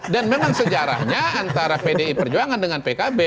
dan memang sejarahnya antara pdi perjuangan dengan pkb